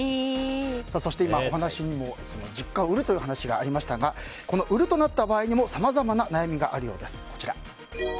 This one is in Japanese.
そして今、実家が売るという話がありましたが売るとなった場合にもさまざまな悩みがあるそうです。